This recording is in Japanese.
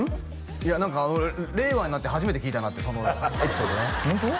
いや何か令和になって初めて聞いたなってそのエピソードねホント？